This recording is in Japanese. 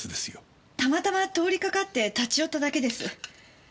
たまたま通りかかって立ち寄っただけです。